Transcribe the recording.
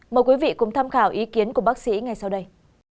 mời quý vị cùng tham khảo ý kiến của bác sĩ ngay sau đây